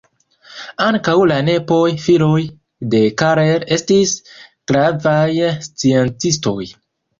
Ankaŭ la nepoj, filoj de Karel, estis gravaj sciencistoj.